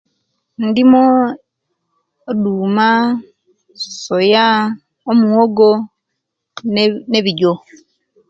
Ndima oduuma, soya, omuwogo ne bijjo